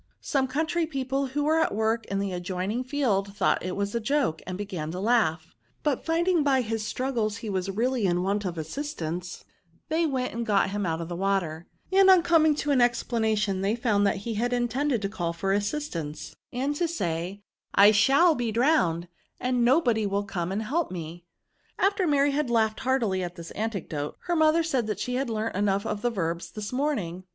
Some country people who were at work in an adjoining field thought it was a joke, and began to laugh ; but finding by his struggles that he was really in want of assistance, they went and got him out of the water ; and on coming to an ex planation, they found that he had intended to call for assistance, and to say, * I shall be drowned, and nobody will come and help me; '* After Maty had laughed heartily at this anecdote, her mother said she had learnt enough of verbs this morning.